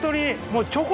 もう。